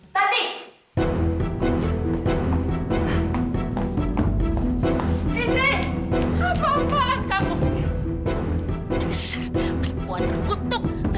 sampai jumpa di video selanjutnya